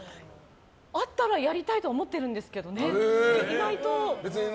あったらやりたいと思ってるんですけどね、意外と。